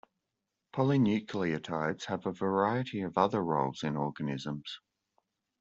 Polynucleotides have a variety of other roles in organisms.